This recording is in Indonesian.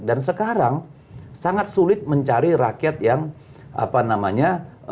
dan sekarang sangat sulit mencari rakyat yang apa namanya